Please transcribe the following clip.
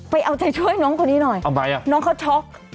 ไปเอาใจช่วยน้องคนนี้หน่อยน้องเขาช็อก